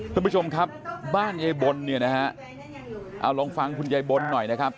ท่านผู้ชมครับบ้านแยบลเอาลงฟังคุณแยบลหน่อยนะครับ